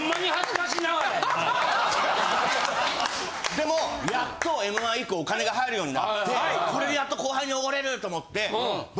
でもやっと『М−１』以降お金が入るようになってこれでやっと後輩におごれると思って僕。